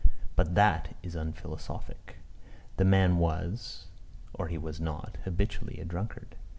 But that is unphilosophic. The man was, or he was not, habitually a drunkard.